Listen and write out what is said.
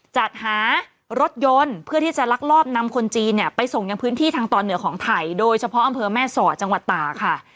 จัดหารถยนต์เพื่อที่จะลักลอบนำคนจีนเนี่ยไปส่งยังพื้นที่ทางตอนเหนือของไทยโดยเฉพาะอำเภอแม่สอดจังหวัดตาค่ะ